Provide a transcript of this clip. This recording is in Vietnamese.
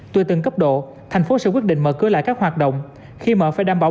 tuy từng cấp độ tp hcm sẽ quyết định mở cửa lại các hoạt động khi mở phải đảm bảo